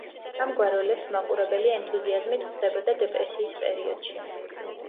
ამგვარ როლებს მაყურებელი ენთუზიაზმით ხვდებოდა დეპრესიის პერიოდში.